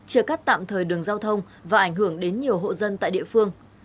chia cắt tạm thời đường giao thông và ảnh hưởng đến nhiều hộ dân tại địa phương